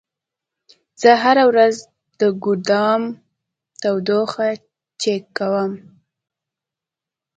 زه هره ورځ د ګودام تودوخه چک کوم.